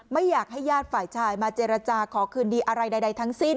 ไม่อยากให้ญาติฝ่ายชายมาเจรจาขอคืนดีอะไรใดทั้งสิ้น